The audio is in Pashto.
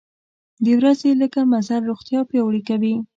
د ورځې لږه مزل روغتیا پیاوړې کوي.